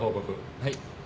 はい。